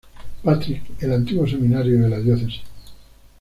Patrick, el antiguo seminario de la Diócesis.